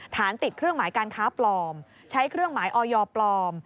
ฐานติดเครื่องหมายการค้าปลอมใช้เครื่องหมายออยปลอม